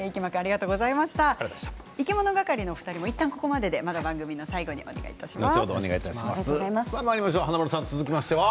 いきものがかりのお二人はいったんここまででまた番組の最後に続きましては。